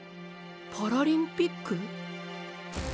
パラリンピック？